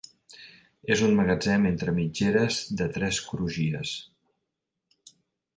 És un magatzem entre mitgeres de tres crugies.